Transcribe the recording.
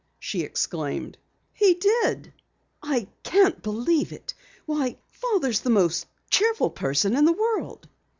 she exclaimed. "He did." "I can't believe it. Why, Father's the most cheerful person in the world!"